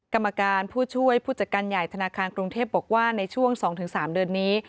กรรมการผู้ช่วยผู้จัดการใหญ่ธนาคารกรุงเทพบอกว่าในช่วง๒๓เดือนนี้